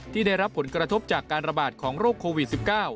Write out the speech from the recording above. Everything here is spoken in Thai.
ได้รับผลกระทบจากการระบาดของโรคโควิด๑๙